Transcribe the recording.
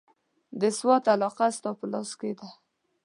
د سوات علاقه ستا په لاس کې ده.